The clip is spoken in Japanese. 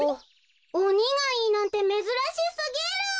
おにがいいなんてめずらしすぎる。